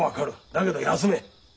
だけど休め。